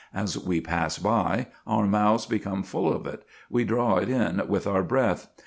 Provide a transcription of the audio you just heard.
As we pass by, our mouths become full of it, we draw it in with our breath.